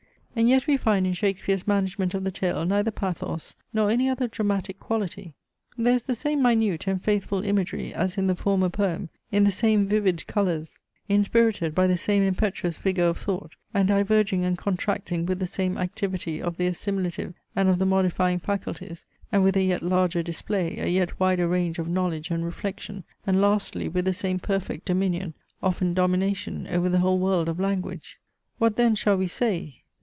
And yet we find in Shakespeare's management of the tale neither pathos, nor any other dramatic quality. There is the same minute and faithful imagery as in the former poem, in the same vivid colours, inspirited by the same impetuous vigour of thought, and diverging and contracting with the same activity of the assimilative and of the modifying faculties; and with a yet larger display, a yet wider range of knowledge and reflection; and lastly, with the same perfect dominion, often domination, over the whole world of language. What then shall we say?